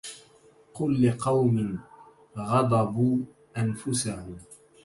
قل لقوم غصبوا أنفسهم